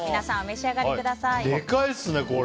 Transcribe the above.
でかいですね、これ。